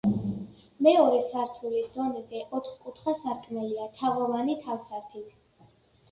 მეორე სართულის დონეზე, ოთხკუთხა სარკმელია, თაღოვანი თავსართით.